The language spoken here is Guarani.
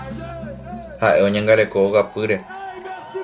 Ha'e oñangareko ogapýre.